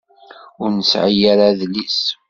Ur nesεi ara adlis.